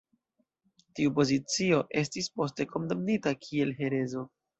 Tiu pozicio estis poste kondamnita kiel herezo.